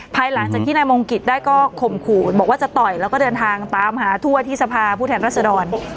ภายหลังจากที่นายมงกิจได้ก็ข่มขู่บอกว่าจะต่อยแล้วก็เดินทางตามหาทั่วที่สภาผู้แทนรัศดร